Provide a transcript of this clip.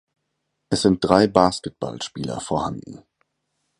Es sind drei Basketballspieler vorhanden